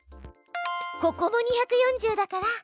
ここも２４０だから。